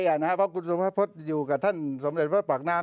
เพราะคุณสมพระพฤษอยู่กับท่านสมเด็จพระปากน้ำ